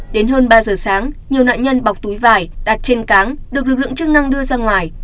đến hơn ba giờ sáng nhiều nạn nhân bọc túi vải đặt trên cáng được lực lượng chức năng đưa ra ngoài